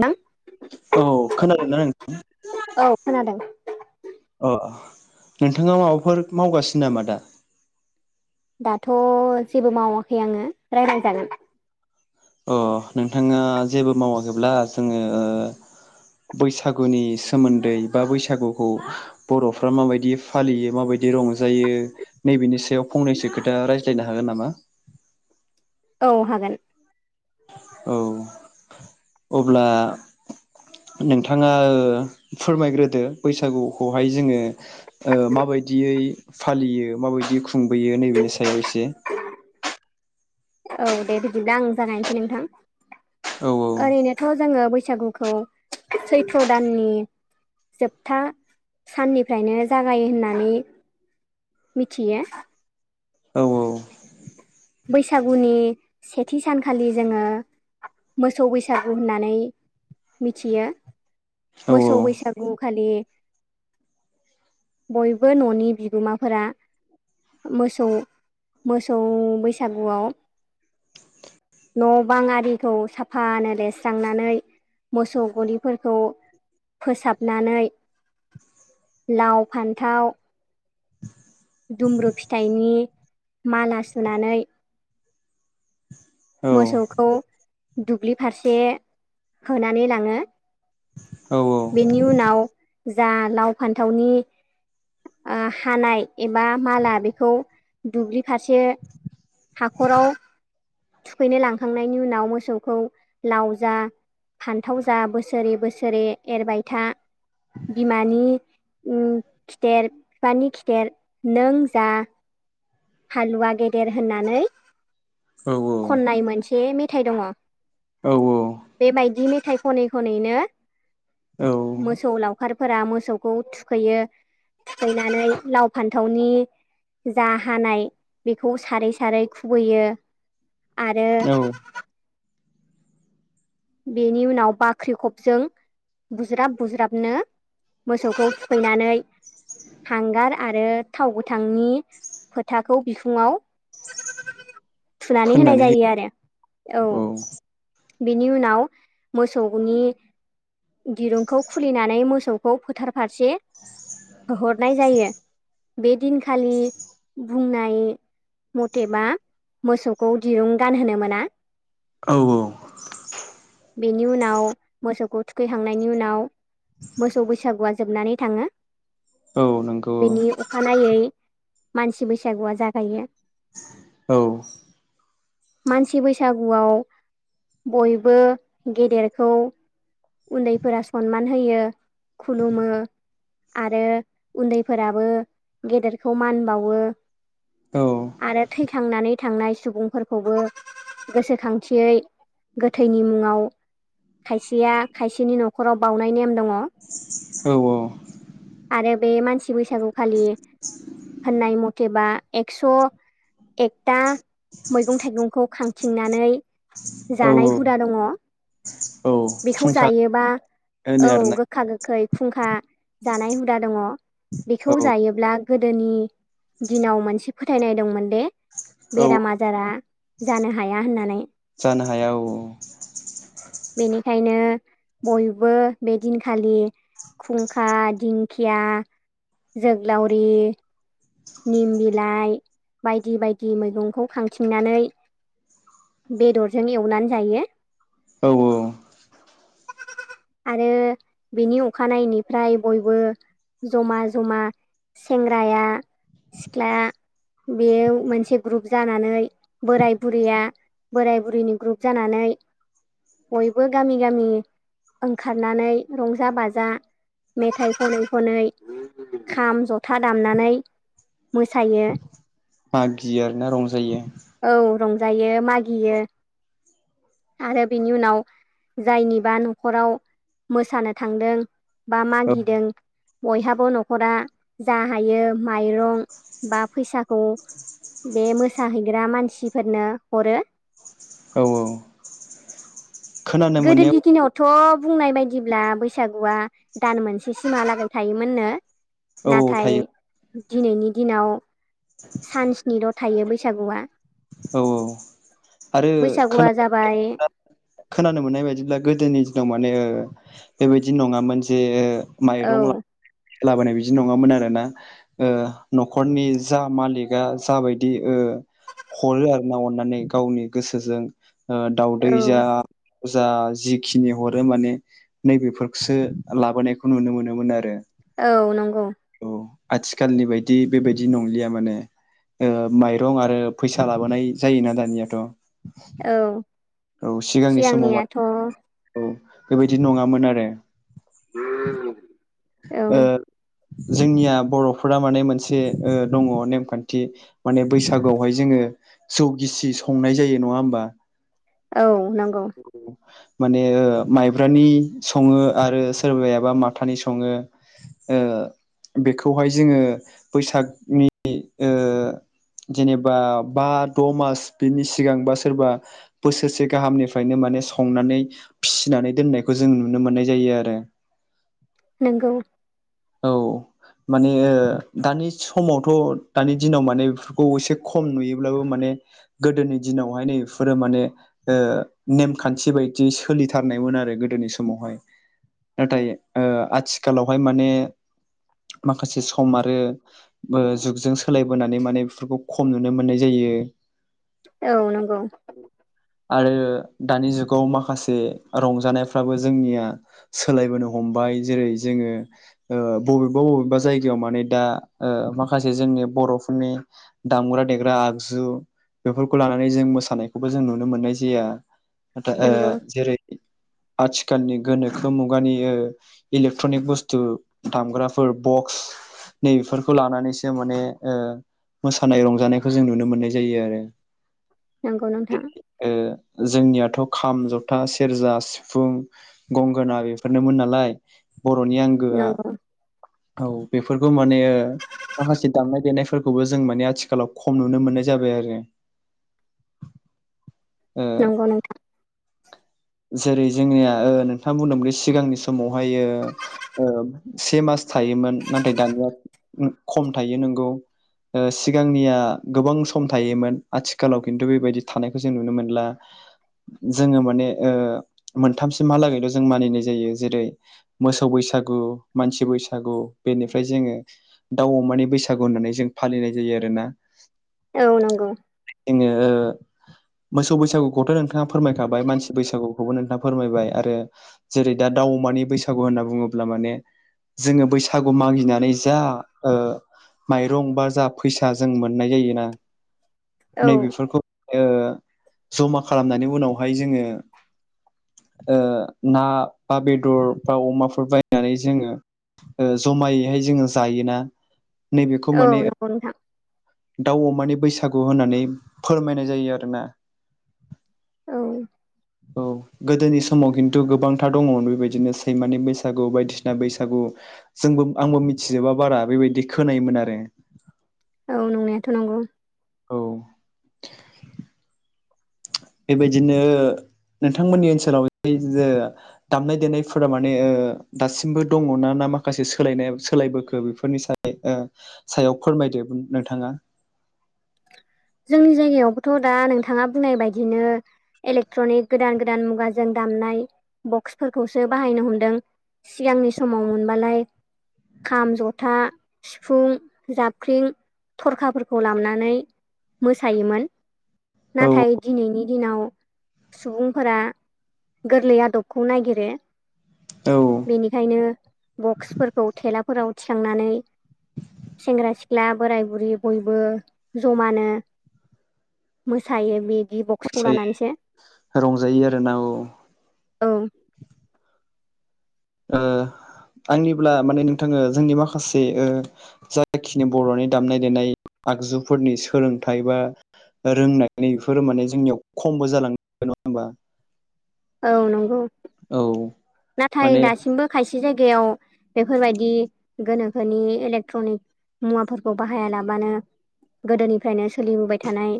नोंथां औ खोनादोंना अ औ खोनादों नोंथाङा माबाफोर मावगासिनो नामा दा? दाथ' जेबो मावाखै आङो राय्लाय जागोन। अ नोंथाङा जेबो मावाखैब्ला जोङो ओ बैसागुनि सोमोन्दै बा बैसागुखौ बर'फ्रा माबायदि फालियो माबाय दि रंजायो नैबिनि सायाव फंनैसो खोथा रायज्लायनो हागोन नामा? औ हागोन औ अब्ला नोंथाङा ओ फोरमायग्रोदो बैसागुखौहाय जोङो ओ माबाय दियै फालियो माबायदियै खुंबोयो नैबेनि सायाव एसे औ दे बिदिब्ला आं जागायनोसै नोंथां। औ औ ओरैनोथ' जोङो बैसागुखौ सैथ्र' दाननि जोबथा साननिफ्रायनो जागायो होननानै मिथियो औ बैसागुनि सेथि सानखालि जोङो मोसौ बैसागु होननानै मिथियो। औ मोसौ बैसागु खालि बयबो न'नि बिगोमाफोरा मोसौ मोसौ बैसागुआव न' बां आरिखौ साफानो लेस्रांनानै मोसौ गलिफोरखौ फोसाबनानै लाव, फान्थाव दुमब्रु फिथाइनि माला सुनानै औ मोसौखौ दुब्लि फारसे होनानै लाङो औ औ बेनि उनाव जा लाव, फान्थावनि ओ हानाय एबा माला बेखौ दुब्लि फारसे हाखराव थुखैनो लांखांनायनि उनाव मोसौखौ लाव जा फान्थाव जा बोसोरे बोसोरे एरबायथा बिमानि उ खिथेर बिफानि खिथेर नों जा हालुवा गेदेर होननानै औ औ से मेथायाइ दङ औ औ बेबायदि मेथाइ खनै खनैनो औ मोसौ लावखारफोरा मोसौखौ थुखैयो थुखैनानै लाव, फान्थावनि जा हानाय बेखौ सारै सारै खुबैयो आरो औ बेनि उनाव बाख्रिखबजों बुज्राब बुज्राबनो मोसौखौ थुखैनानै हांगार आरो थाव गोथांनि फोथाखौ बिखुङाव [inaudible] थुनानै होनाय जायो आरो औ होयो बिनि उनाव मोसौनि दिरुंखौ खुलिनानै मोसौखौ फोथार फारसे होहरनाय जायो बे दिनखालि बुंनाय मथेबा मोसौखौ दिरुं गानहोनो मोना औ बेनि उनाव मोसौखौ थुखैखांनायनि उनाव मोसौ बैसागुआ जोबनानै थाङो। औ नंगौ बेनि अखानायै मानसि बैसागुआ जागायो। औ। मानसि बैसागुआव बयबो गेदेरखौ उन्दैफोरा सनमान होयो खुलुमो आरो उन्दैफोराबो गेदेरखौ मान बावो औ आरो थैखांनानै थांनाय सुबुंफोरखौबो गोसोखांथियै गोथैनि मुङाव खायसेया खायसेनि नखराव बाउनाय नेम दङ। औ आरो बे मानसि बैसागु खालि होननाय मथेबा एकस' एकथा मैगं थाइगंखौ खांथिंनानै औ जानाय हुदा दङ। औ बेखौ खुंखा जायोबा होनो औ आरोना गोखा गोखै फुंखा जानाय हुदा दङ औ बेखौ जायोब्ला गोदोनि दिनाव मोनसे फोथायनाय दंमोन दे औ बेराम आजारा जानो हाया होननानै जानो हाया औ औ। बेनिखायनो बयबो बे दिनखालि खुंखा, दिंखिया जोग्लावरि, निम बिलाइ बायदि बायदि मैगंखौ खांथिंनानै बेदरजों एवनानै जायो। औ औ [inaudible] आरो बिनि अखानायैनिफ्राय बयबो जमा जमा सेंग्राया सिख्ला बेव मोनसे ग्रुप जानानै बोराय बुरिया बोराय बुरिनि ग्रुप जानानै बयबो गामि गामि ओंखारनानै रंजा बाजा मेथाइ खनै खनै खाम जथा दामनानै मोसायो। मागियो आरो ना रंजायो जायो मागियो आरो बिनि उनाव जायनिबा नखराव मोसानो थांदों बा औ मागिदों बयहाबो नखरा जा हायो माइरं बा फैसाखौ बे मोसाहैग्रा मानसिफोरनो हरो। औ औ। खोनानो मोननायाव गोदोनि दिनाव थ बुंनाय बायदिब्ला बैसागुआ दान मोनसे सिमहालागै थायोमोननो। औ नाथाय थायो दिनैनि दिनाव सानस्निल थायो बैसागुआ औ औ आरो खोना बैसागुआ जाबाय खोनानो मोननाय बायदिब्ला गोदोनि दिनाव माने बेबायदि नङामोन जे औ माइरं ल लाबोनाय बिदि नङामोन आरोना ओ न'खरनि जा मालिकआ जाबायदि ओ हरो आरो ना अननानै गावनि गोसोजों ओ दावदै औ जा जा जिखिनि हरो माने नैबेफोरखौसो लाबोनायखौ नुनो मोनोमोन आरो। औ नं औ आथिखालनि बायदि बेबायदि नंलिया माने ओ माइरं आरो फैसा लाबोनाय जायोना दानियाथ'? औ औ सिगांनि समाव सिगांनियाथ' औ बेबायदि नङामोन आरो। औ। ओ जोंनिया बर'फोरा माने मोनसे दङ नेमखान्थि माने बैसागोआवहाय जोङो जौ गिसि संनाय जायो नङा होमबा औ नंगौ। माने माइब्रानि सङो आरो सोरबायाबा माथानि स सङो ओ बेखौहाय जोङो बैसागनि ओ जेनेबा बा द' मास बिनि सिगां बा सोरबा बोसोरसे गाहामनिफ्रायनो मा माने संनानै फिसिनानै दोननायखौ जों नुनो मोननाय जायो आरो नोंगौ। औ। माने दानि समावथ' दानि दिनाव माने बेफोरखौ एसे खम नुयोब्लाबो माने गोदोनि दिनावहाय नै बेफोरो माने ओ नेमखान्थि बायदि सोलिथारनाय आरो गोदोनि समावहाय नाथाय आथिखालावहाय माने माखासे सम आरो जुगजों सोलायबोनानै माने बेफोरखौ खम नुनो मोननाय जायो। औ नंगौ। आरो दानि जुगाव माखासे रंजानायफ्राबो जोंनिया सोलायबोनो हमबाय जेरै जोङो ओ बबेबा बबेबा जायगायाव माने दा ओ माखासे जोंनि बर'फोरनि दामग्रा देग्रा आगजु बेफोरखौ लानानै जों मोसानायखौबो जों नुनो मोननाय जाया ओ नंगौ जेरै आथिखालनि गोनोखो मुगानि इलेकट्रनिक बुस्थु दामग्राफोर बक्स नै बेेफोरखौ लानानैसो माने ओ मोसानाय रंजानायखौ जों नुनो मोननाय जायो आरो नंगौ नोंथां। ओ जोंनियाथ' खाम जथा सेरजा सिफुं गंगोना बेफोरनोमोन नालाय बर'नि आंगोआ नंगौ औ बेफोरखौ माने माखासे दामनाय देनायफोरखौबो जों माने आथिखालाव खम नुनो मोननाय जा जाबाय आरो ओ नंगौ नोंथां। जेरै जोंनिया ओ नोंथाङा बुंदोंमोनदि सिगांनि समावहाय ओ से मास था मोन नाथाय दानिया खम थायो नोंगौ ओ सिगांनिया गोबां सम थायोमोन आथिखालाव खिन्थु बेबायदि थानायखौ जों नुनो मोनला जोङो माने ओ मोनथामसिमहालागैल' जों मानिनाय जायो जेरै मोसौ बैसो बैसागु मानसि बैसागु बेनिफ्राय जोङो दाउ अमानि बैसागु होननानै जों फालिनाय जायो। आरोना नोंथां औ नंगौ जोङो मोसौ बैसागुखौथ' नोंथाङा फोरमायखाबाय मानसि बैसागुखौबो नोंथाङा फोरमायबाय आरो जेरै दा दाउ अमानि बैसागु होनना बुङोब्ला माने जोङो बैसागु मागिनानै जा ओ माइरं बा जा फैसा जों मोननाय जायोना औ नैबेफोरखौ जमा खालामनानै उनावहाय जोङो ओ ना बा बेदर बा अमाफोर बायनानै जोङो ओ जमायैहाय जोङो जायोना नैबेखौ औ माने नंगौ नोंथां। दाउ अमानि बैसागु होननानै फोरमायनाय जायो आरोना औ औ। गोदोनि समाव खिन्थु गोबांथार दङमोन बेबायदिनो सैमानि बैसागु बायदिसिना बैसागु जों आंबो मिथिजोबा बारा बेबायदि खोनायोमोन आरो औ नंनायाथ' नंगौ। औ बेबायदिनो नोंथांमोननि ओनसोलाव जे दामनाय देनायफोरा माने दासिमबो दङ न ना। माखासे सोलायनाय सोलायबोखो बेफोरनि स सायाव फोरमायदो नोंथाङा जोंनि जायगायावबोथ' दा नोंथाङा बुंनाय बायदिनो इलेक्ट्रनिक गोदान गोदान मुगाजों दा दामनाय बक्सफोरखौसो बाहायनो हमदों सिगांनि समाव मोनबालाय। खाम जथा सिफुं जाबख्रिं थरखाफोरखौ लालामनानै मोसायोमोन औ नाथाय दिनैनि' दिनाव सुबुंफोरा गोरलै आदबखौ नागिरो। औ बेनिखायनो बक्सफोरखौ थेलाफोराव थिखांनानै सेंग्रा सिख्ला बोराय बुरि बयबो जमानो। मोसायो बे ब मोसायो रंजायो आरोना औ औ अ आंनिब्ला माने नोंथाङो जोंनि माखासे जायाखिनि बर'नि दामनाय देनाय आगजुफोरनि सोलोंथाइ बा रोंनायफोर माने जोंनियाव खमबो जालां नङा होमबा औ नंगौ। औ नाथाय माने दासिमबो खायसे थसे जायगायाव बेफोरबायदि गोनोखोनि इलेक्ट्रनिक मुवाफोरखौ बाहाया लाबानो गोदोनिफ्रायनो सोलिबोबाय थानाय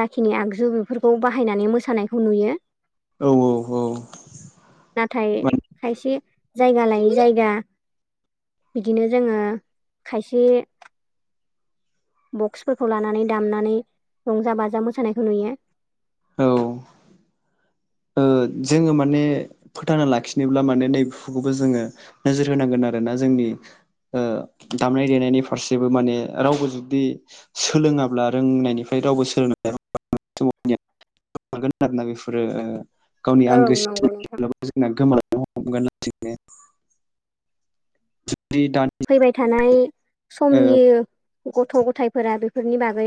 जाखिनि आगजु बेफोरखौ बाहायनानै मोसानायखौ नुयो। औ औ औ। नाथाय खायसे जायगा लायै जायगा बिदिनो जोङो खायसे बक्सफोरखौ लानानै दामनानै रंजा बाजा मोसानायखौ नुयो। औ। जोङो माने फोथांना लाखिनोब्ला माने नै बिखौबो जोङो नोजोर होनांगौ। न आरोना जोंनि दामनाय देनायनि फारसेबो माने रावबो जुदि सोलोङाब्ला रोंनायनिफ्राय रावबो सोलोंनाय न आरोोना बेफोरो गावनि औ आंगो नंगौ नोंथां। सिब्ला जोंना गो ग [unintelligible] फैबाय थानाय समनि गथ' गथायाइफोरा बेफोरनि बागै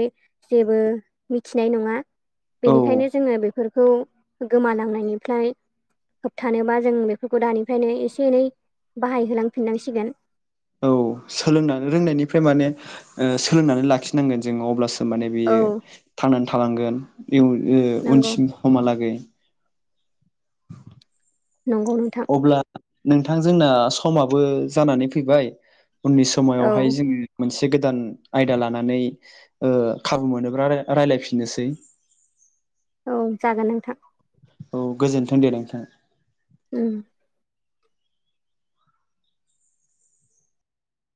जेबो मिथिनाय नङा। ओ बेनिखायनो जोङो बेफोरखौ गोमानांनायनिफ्राय होबथानोबा जों बेफोरखौ दानिफ्रायनो एसे एनै बाहायहोलांफिननांसिगोन। औ सोलोंनानै रोंनायनिफ्राय माने सोलोंनानै लाखिनांगोन जोङो अब्लासो। माने औ बियो थांनानै थालांगोन इउ नंगौ उनसिमहालागै। नंगौ नोंथां। अब्ला नोंथां जोंना समाबो जानानै फैबाय उननि औ समाव'हाय जोङो मोनसे से गोदान आयदा लानानै ओ खाबु मोनोब्ला रायजलायफिननोसै [unintelligible] औ जागोन नोंथां। औ गोजोन्थों दे नोंथां। उम